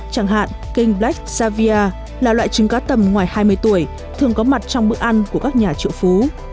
chẳng hạn king black savia là loại trứng cá tầm ngoài hai mươi tuổi thường có mặt trong bữa ăn của các nhà triệu phú